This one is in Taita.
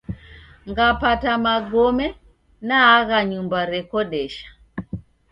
Ngapata magome naagha nyumba rekodesha.